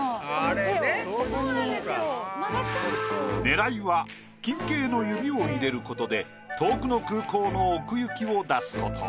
狙いは近景の指を入れることで遠くの空港の奥行きを出すこと。